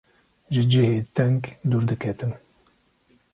ji cihê teng dûr diketim.